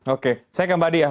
oke saya ke mbak diah